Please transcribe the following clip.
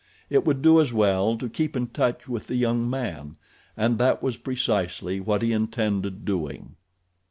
It would do as well to keep in touch with the young man, and that was precisely what he intended doing.